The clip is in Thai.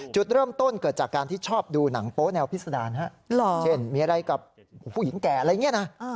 จุดเริ่มต้นเกิดจากการที่ชอบดูหนังโป๊แนวพิษดารเช่นมีอะไรกับผู้หญิงแก่อะไรอย่างนี้นะ